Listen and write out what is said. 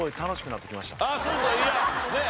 なんかいやねえ